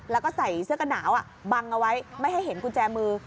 แล้วก็ใส่เสื้อกระหนาวบังเอาไว้ไม่ให้เห็นกุญแจมือ